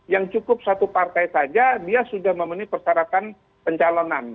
yang cukup satu partai saja dia sudah memenuhi persyaratan pencalonan